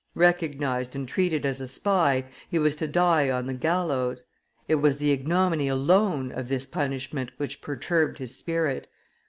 Recognized and treated as a spy, he was to die on the gallows. It was the ignominy alone of this punishment which perturbed his spirit.